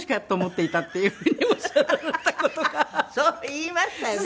言いましたよね。